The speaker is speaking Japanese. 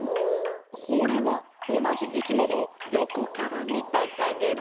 これはおなじいきものをよこからみたかげだ。